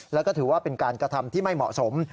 แล้วก็ถือว่าเป็นการกระทำที่ไม่เหมาะสม